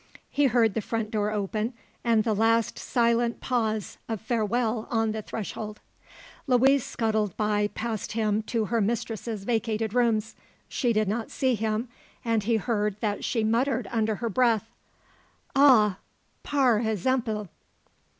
He heard the front door open and the last silent pause of farewell on the threshold. Louise scuttled by past him to her mistress's vacated rooms. She did not see him and he heard that she muttered under her breath: "_Ah! par exemple!